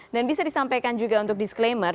dan bisa disampaikan juga untuk disclaimer